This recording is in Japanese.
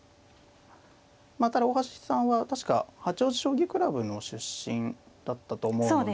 まあただ大橋さんは確か八王子将棋クラブの出身だったと思うので。